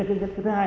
thứ hai này